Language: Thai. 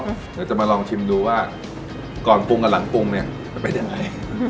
เดี๋ยวจะมาลองชิมดูว่าก่อนปรุงกับหลังปรุงเนี่ยมันเป็นยังไง